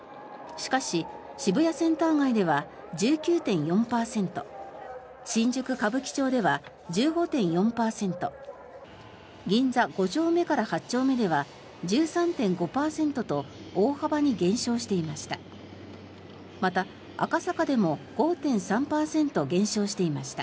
しかし、渋谷センター街では１９．４％新宿・歌舞伎町では１５．４％銀座５丁目から８丁目では１３．５％と大幅に減少していました。